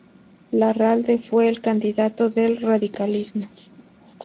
Larralde fue el candidato del radicalismo.